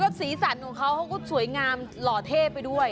สีสันของเขาเขาก็สวยงามหล่อเท่ไปด้วย